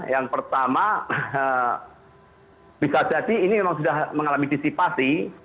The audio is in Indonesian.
yang pertama bisa jadi ini memang sudah mengalami disipasi